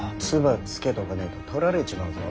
唾つけとかねえと取られちまうぞ。